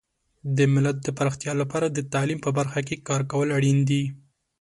د ملت د پراختیا لپاره د تعلیم په برخه کې کار کول اړین دي.